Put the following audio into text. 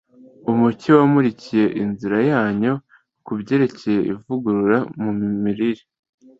Umucyo wamurikiye inzira yanyu ku byerekeye ivugurura mu mirire